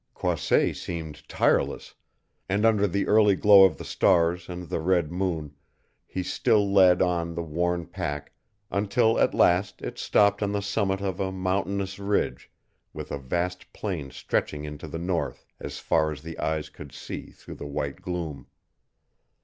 Croisset seemed tireless, and under the early glow of the stars and the red moon he still led on the worn pack until at last it stopped on the summit of a mountainous ridge, with a vast plain stretching into the north as far as the eyes could see through the white gloom.